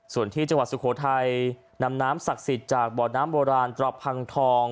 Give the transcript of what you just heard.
ส่วนที่จังหวัดสุโขทัยนำน้ำศักดิ์สิทธิ์จากบ่อน้ำโบราณตระพังทอง